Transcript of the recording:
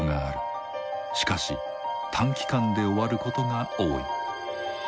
しかし短期間で終わることが多い。